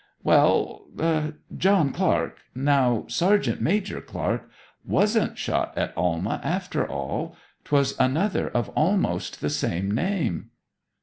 'Well John Clark now Sergeant Major Clark wasn't shot at Alma after all. 'Twas another of almost the same name.'